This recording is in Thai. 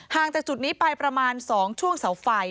จากจุดนี้ไปประมาณ๒ช่วงเสาไฟ